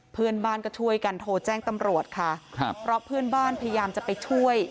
เพื่อนบ้านก็ช่วยกันโทรแจ้งตำรวจค่ะครับเพราะเพื่อนบ้านพยายามจะไปช่วย